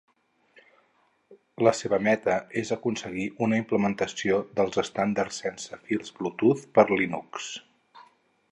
La seva meta és aconseguir una implementació dels estàndards sense fils Bluetooth per Linux.